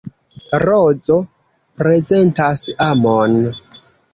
Rozo prezentas amon.